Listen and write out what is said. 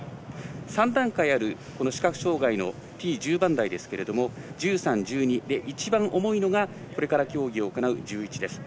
３段階ある視覚障がいのＴ１０番台ですが１３、１２一番重いのがこれから競技を行う１１です。